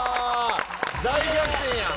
大逆転やん！